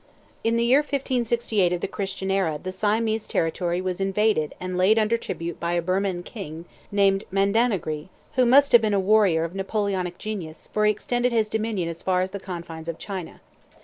In the year 1568 of the Christian era the Siamese territory was invaded and laid under tribute by a Birman king named Mandanahgri, who must have been a warrior of Napoleonic genius, for he extended his dominion as far as the confines of China.